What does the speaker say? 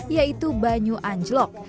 yaitu banyu anjlok